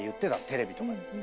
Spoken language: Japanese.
テレビとかで。